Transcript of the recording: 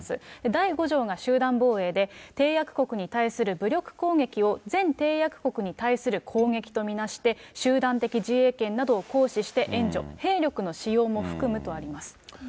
第５条が集団防衛で、締約国に対する武力攻撃を全締約国に対する攻撃と見なして、集団的自衛権などを行使して援助、兵力の使用も含むとあります。